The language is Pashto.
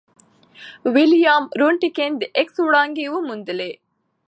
ویلهلم رونټګن د ایکس وړانګې وموندلې.